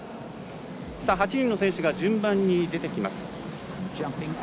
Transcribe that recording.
８人の選手が順番に出てきます。